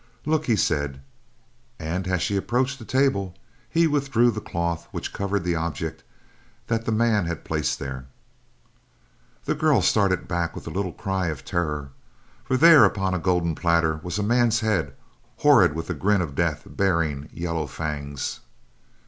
"Look," he said. And as she approached the table he withdrew the cloth which covered the object that the man had placed there. The girl started back with a little cry of terror, for there upon a golden platter was a man's head; horrid with the grin of death baring yellow fangs.